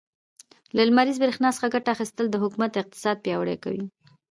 له لمريزې برښنا څخه ګټه اخيستل, د حکومت اقتصاد پياوړی کوي.